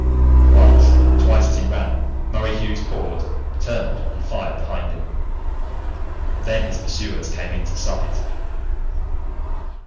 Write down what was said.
Once, twice, as he ran, Murray Hughes paused, turned, and fired behind him. Then his pursuers came into sight!